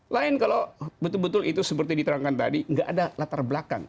lain kalau betul betul itu seperti diterangkan tadi nggak ada latar belakang